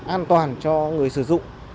an toàn cho người sử dụng